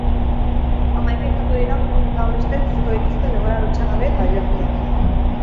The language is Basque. Hamaika izango dira, gure protagonistek biziko dituzten egoera lotsagabe, eta dibertigarriak.